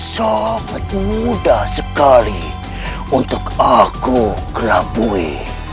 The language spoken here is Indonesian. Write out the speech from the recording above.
sangat mudah sekali untuk aku kelabui